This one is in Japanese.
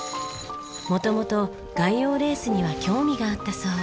元々外洋レースには興味があったそう。